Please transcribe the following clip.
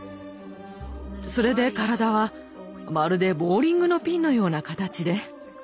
それで体はまるでボウリングのピンのような形で。